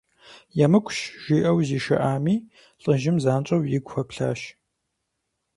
– ЕмыкӀущ, – жиӀэу зишыӀами, лӀыжьым занщӀэу игу хуэплъащ.